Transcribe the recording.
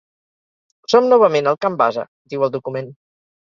Som novament al camp base, diu el document.